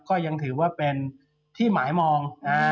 ก็ยังถือว่าเป็นที่หมายมอง